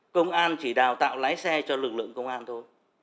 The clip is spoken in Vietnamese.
công an chỉ đào tạo lái xe cho lực lượng công an thôi